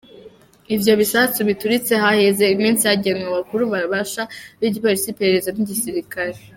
Ivyo bisasu bituritse haheze iminsi hagenywe abakuru bashasha b'igipolisi, iperereza n'igisirikare.